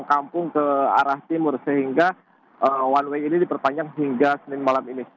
kampung ke arah timur sehingga one way ini diperpanjang hingga senin malam ini